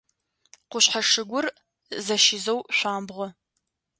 Къушъхьэ шыгур зэщизэу шъуамбгъо.